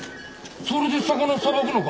それで魚さばくのか？